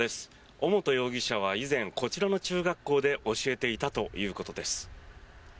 尾本容疑者は以前こちらの中学校で教えていたということです。